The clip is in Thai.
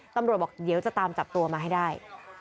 ตำรวจบอกเดี๋ยวจะตามจับตัวมาให้ได้